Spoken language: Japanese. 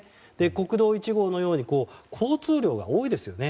国道１号のように交通量が多いですよね。